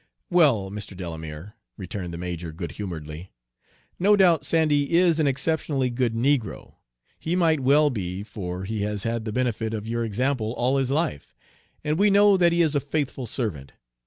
"Well, Mr. Delamere," returned the major good humoredly, "no doubt Sandy is an exceptionally good negro, he might well be, for he has had the benefit of your example all his life, and we know that he is a faithful servant.